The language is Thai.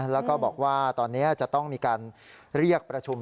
แล้วก็บอกว่าตอนนี้จะต้องมีการเรียกประชุม